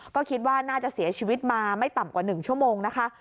ก็คิดว่าน่าจะเสียชีวิตมาไม่ต่ำกว่า๑ชั่วโมงนะคะ